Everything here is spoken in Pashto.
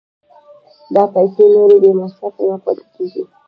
دا پیسې نورې بې مصرفه نه پاتې کېږي